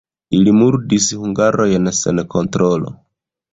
Ili murdis hungarojn sen kontrolo.